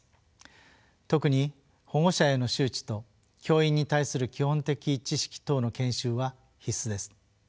特に保護者への周知と教員に対する基本的知識等の研修は必須です。